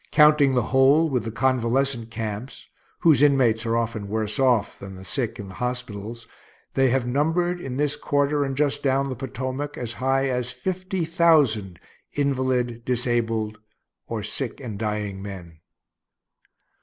Counting the whole, with the convalescent camps (whose inmates are often worse off than the sick in the hospitals), they have numbered, in this quarter and just down the Potomac, as high as fifty thousand invalid, disabled, or sick and dying men.